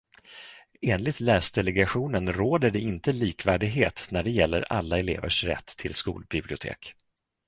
Enligt Läsdelegationen råder det inte likvärdighet när det gäller alla elevers rätt till skolbibliotek.